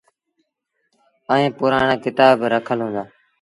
ائيٚݩ پُرآڻآ ڪتآب با رکل هُݩدآ۔